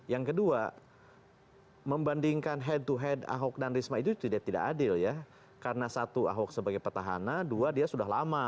yang kedua membandingkan head to head ahok dan risma itu tidak adil ya karena satu ahok sebagai petahana dua dia sudah lama